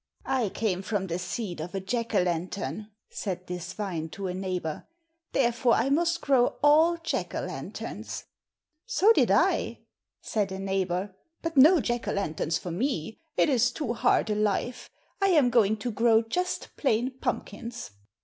"I came from the seed of a Jack o' lantern," said this vine to a neighbour, "therefore I must grow all Jack o' lanterns." "So did I," said a neighbour, "but no Jack o' lanterns for me. It is too hard a life. I am going to grow just plain pumpkins."